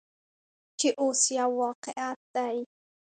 چې اوس یو واقعیت دی.